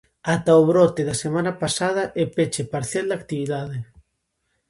Ata o brote da semana pasada e peche parcial da actividade.